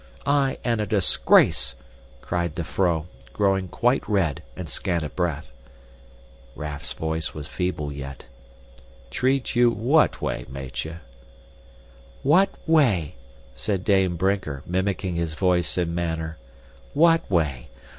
Aye, and a disgrace," cried the vrouw, growing quite red and scant of breath. Raff's voice was feeble yet. "Treat you WHAT way, Meitje?" "What way," said Dame Brinker, mimicking his voice and manner. "What way?